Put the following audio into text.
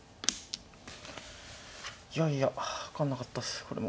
いやいや分かんなかったっすこれも。